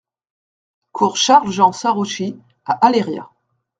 Cours Charles Jean Sarocchi à Aléria